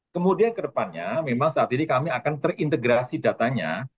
kemudian kedepannya memang saat ini kami akan terintegrasi datanya